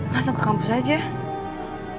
masuk ke kampus aja